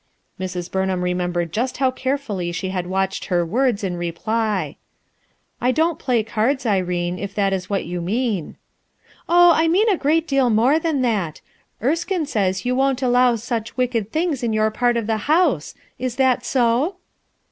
■ Mrs, Burnbani remembered just how carefully she had watched her words, in reply. ?*I don't play cards, Irene, if that is what you mean.*' "Oh, I mean a great deal more than that, Erskine says you won't allow such wicked things in your part of the house. Is that so?"